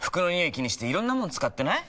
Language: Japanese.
気にしていろんなもの使ってない？